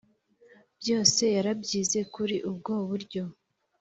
byose yarabyize kuri ubwo buryo.